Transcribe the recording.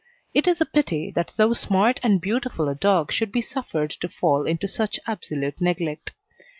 It is a pity that so smart and beautiful a dog should be suffered to fall into such absolute neglect.